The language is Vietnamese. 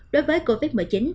đối với covid một mươi chín